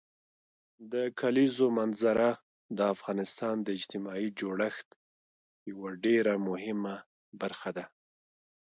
د کلیزو منظره د افغانستان د اجتماعي جوړښت یوه ډېره مهمه برخه ده.